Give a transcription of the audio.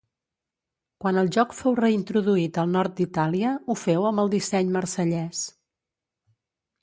Quan el joc fou reintroduït al nord d'Itàlia, ho feu amb el disseny marsellès.